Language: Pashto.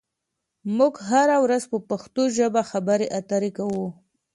موږ هره ورځ په پښتو ژبه خبرې اترې کوو.